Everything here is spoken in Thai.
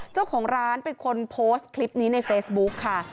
เจ้าของร้านเป็นคนโพสต์คลิปนี้ในเฟซบุ๊กค่ะ